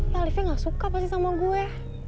ya alifnya gak suka pasti sama gue